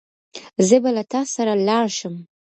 زه به له تا سره لاړ شم.